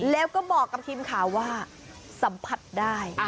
แล้วก็บอกกับทีมข่าวว่าสัมผัสได้